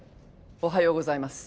おはようございます。